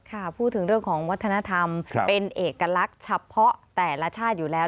พูดถึงเรื่องของวัฒนธรรมเป็นเอกลักษณ์เฉพาะแต่ละชาติอยู่แล้ว